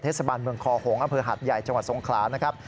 เทศบาลเมืองคอหงษ์อำเภอหัดใหญ่จังหวัดทรงขลานะครับ